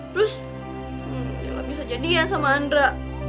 terus lila bisa jadiin sama andre